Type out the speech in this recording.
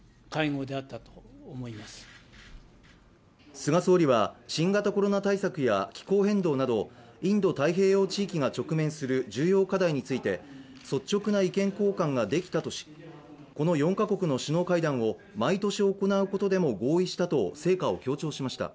菅総理は新型コロナ対策や気候変動などインド太平洋地域が直面する重要課題について率直な意見交換ができたとし、この４カ国の首脳会談を毎年行うことでも合意したと成果を強調しました。